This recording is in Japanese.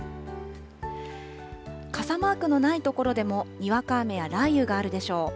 傘マークのない所でも、にわか雨や雷雨があるでしょう。